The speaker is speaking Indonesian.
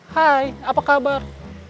hai apa kabar